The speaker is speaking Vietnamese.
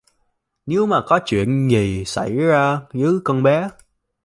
Nếu mà có chuyện gì xảy ra với con bé